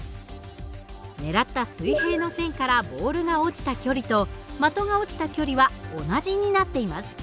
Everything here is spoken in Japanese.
ねらった水平の線からボールが落ちた距離と的が落ちた距離は同じになっています。